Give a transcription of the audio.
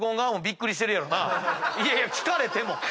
いやいや聞かれても！